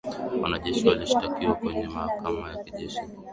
Wanajeshi walishtakiwa kwenye mahakama ya kijeshi